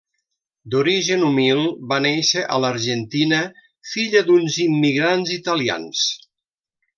D'origen humil, va néixer a l'Argentina, filla d'uns immigrants italians.